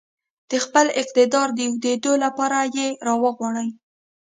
د خپل اقتدار د اوږدېدو لپاره يې راغواړي.